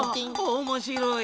おもしろい！